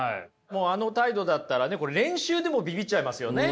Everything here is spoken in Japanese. もうあの態度だったらねこれ練習でもビビっちゃいますよね。